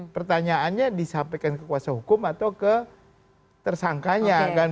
pertanyaannya disampaikan ke kuasa hukum atau ke tersangkanya